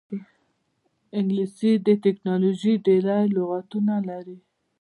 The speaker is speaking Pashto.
انګلیسي د ټیکنالوژۍ ډېری لغتونه لري